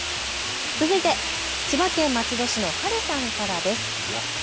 続いて千葉県松戸市のはるさんからです。